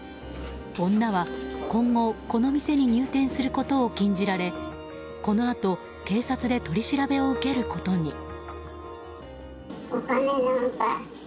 女は今後この店に入店することを禁じられこのあと、警察で取り調べを受けることに。